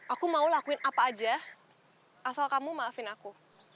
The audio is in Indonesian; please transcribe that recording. aku mau lakuin apa aja asal kamu maafin aku